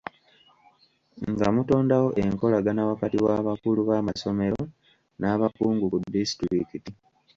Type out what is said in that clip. Nga mutondawo enkolagana wakati w'abakulu b'amasomero n'abakungu ku disitulikiti.